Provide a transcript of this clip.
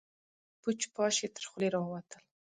پوچ، پاش يې تر خولې راوتل.